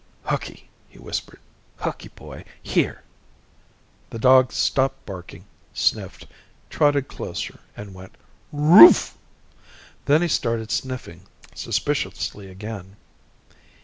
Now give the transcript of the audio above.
"Hooky!" he whispered. "Hooky boy here!" The dog stopped barking, sniffed, trotted closer, and went "Rrrooff!" Then he started sniffing suspiciously again.